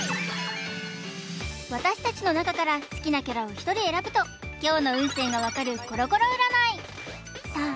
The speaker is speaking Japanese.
私たちの中から好きなキャラを１人選ぶと今日の運勢が分かるコロコロ占いさあ